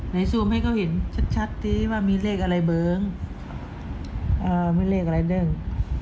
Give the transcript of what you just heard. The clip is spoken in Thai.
ซวมให้เขาเห็นชัดสิว่ามีเลขอะไรเบิ้งมีเลขอะไรเด้ง